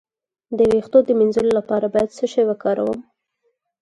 د ویښتو د مینځلو لپاره باید څه شی وکاروم؟